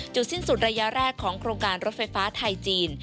สิ้นสุดระยะแรกของโครงการรถไฟฟ้าไทยจีน